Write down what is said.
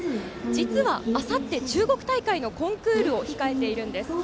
実は、あさって中国大会のコンクールを控えているんです。